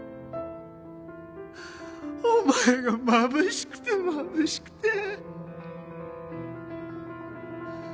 お前がまぶしくてまぶしくて。